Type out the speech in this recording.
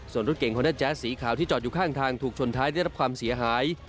ส่วนรถเก่งฮอนด้าแจ๊สสีขาวที่จอดอยู่ข้างทางถูกชนท้ายได้รับความเสียหาย